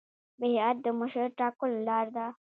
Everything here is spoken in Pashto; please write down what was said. بیعت د مشر ټاکلو لار ده